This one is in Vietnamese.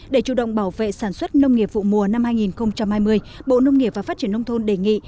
để chủ động bảo vệ sản xuất nông nghiệp vụ mùa năm hai nghìn hai mươi bộ nông nghiệp và phát triển nông thôn đề nghị